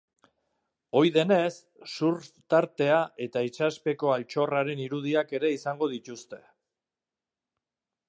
Ohi denez, surf tartea eta itsaspeko altxorren irudiak ere izango dituzte.